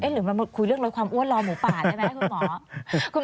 หรือมาคุยเรื่องลดความอ้วนรอหมูป่าได้ไหมคุณหมอ